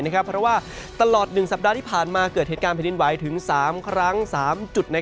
เพราะว่าตลอด๑สัปดาห์ที่ผ่านมาเกิดเหตุการณ์แผ่นดินไหวถึง๓ครั้ง๓จุด